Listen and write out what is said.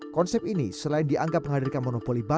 konsep ini selain dianggap menghadirkan monopoli baru oleh pemerintah